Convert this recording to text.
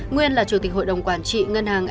nguyên là chủ tịch hội đồng quản trị ngân hàng